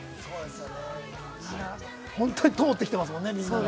本当に通ってきてますもんね、みんな。